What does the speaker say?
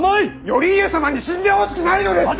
頼家様に死んでほしくないのです！